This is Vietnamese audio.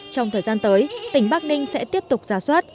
trong thời gian tới tỉnh bắc ninh sẽ tiếp tục gia xuất